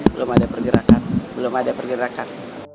belum belum ada pergerakan